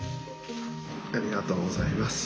ありがとうございます。